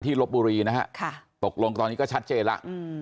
ที่รบบุรีนะฮะค่ะตกลงตอนนี้ก็ชัดเจนล่ะอืม